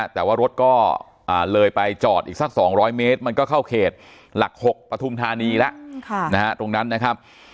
แต่ว่ารถก็เลยไปจอดอีกสัก๒๐๐เมตรมันก็เข้าเขตหลัก๖ปฐุมธานีแล้ว